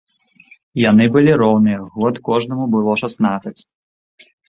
Яны былі роўныя, год кожнаму было шаснаццаць.